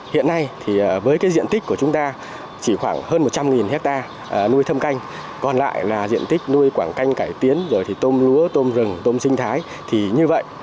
hiện nay thì với cái diện tích của chúng ta chỉ khoảng hơn một trăm linh hectare nuôi thâm canh còn lại là diện tích nuôi quảng canh cải tiến rồi thì tôm lúa tôm rừng tôm sinh thái thì như vậy